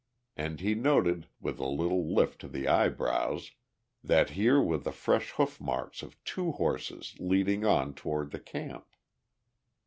And he noted, with a little lift to the eyebrows, that here were the fresh hoof marks of two horses leading on toward the Camp.